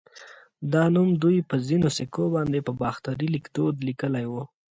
دا نوم دوی په ځینو سکو باندې په باختري ليکدود لیکلی و